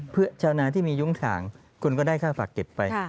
เพื่อชาวนาที่มียุ้งฉางคุณก็ได้ค่าฝากเก็บไป